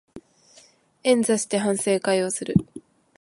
円座して反省会をする